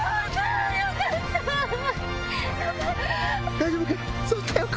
大丈夫か？